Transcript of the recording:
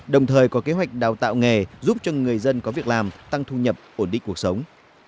đồng thời có kế hoạch đào tạo nghề giúp cho người dân có việc làm tăng thu nhập ổn định cuộc sống